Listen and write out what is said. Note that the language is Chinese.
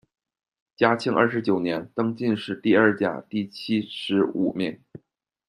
嘉靖二十九年，登进士第二甲第七十五名。